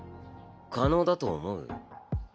可能だと思う？